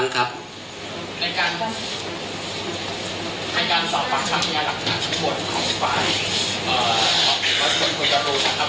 ในการซอบปากทางเนี่ยหลักฐานชั้นป่วนของฟาร์มคนที่ต้องรู้จะครับ